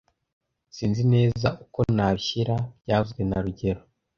Sinzi neza uko nabishyira byavuzwe na rugero